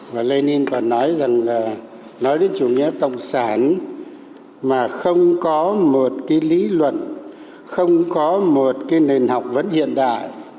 và lenin còn nói rằng là nói đến chủ nghĩa cộng sản mà không có một cái lý luận không có một cái nền học vấn hiện đại